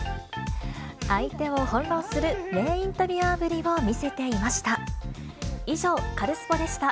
相手を翻弄する名インタビュアーぶりの見せていました。